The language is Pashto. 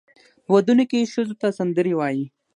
په ودونو کې ښځو ته سندرې وایي.